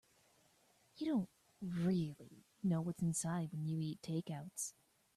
You don't really know what's inside when you eat takeouts.